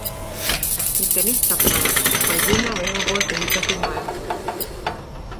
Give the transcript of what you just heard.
Mitte lihtsalt maja, vaid linnavõimu poolt ehitatud maja.